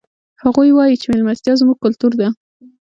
هغوی وایي چې مېلمستیا زموږ کلتور ده